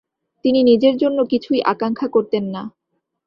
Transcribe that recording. তিনি নিজের জন্য কিছুর আকাঙ্ক্ষা করতেন না।